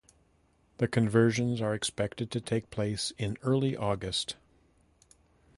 The conversions are expected to take place in early August.